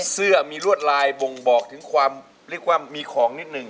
สือมีรวดลายบ่งบอกทั้งความว่ามีของนิดนึง